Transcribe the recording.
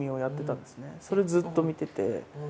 それずっと見てて。